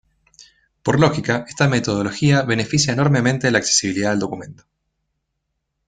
Por lógica, esta metodología beneficia enormemente la accesibilidad del documento.